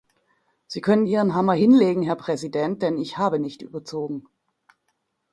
Sie können Ihren Hammer hinlegen, Herr Präsident, denn ich habe nicht überzogen.